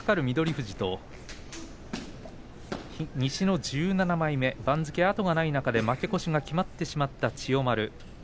富士と西の１７枚目番付、後がない中で負け越しが決まってしまった千代丸。